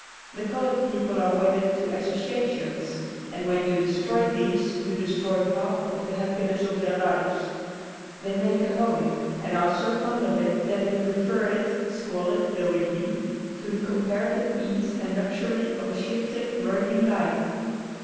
The colored people are wedded to associations, and when you destroy these you destroy half of the happiness of their lives. They make a home, and are so fond of it that they prefer it, squalid though it be, to the comparative ease and luxury of a shifting, roaming life.